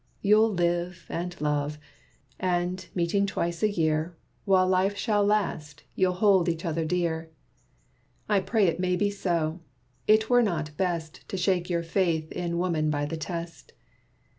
You'll live, and love; and, meeting twice a year, While life shall last, you'll hold each other dear. I pray it may be so; it were not best To shake your faith in woman by the test.